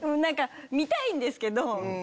見たいんですけど。